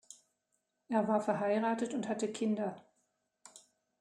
Er war verheiratet und hatte Kinder.